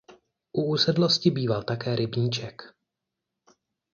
U usedlosti býval také rybníček.